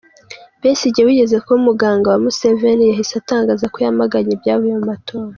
Besigye wigeze kuba umuganga wa Museveni yahise atangaza ko yamaganye ibyavuye mu matora.